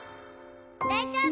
大丈夫。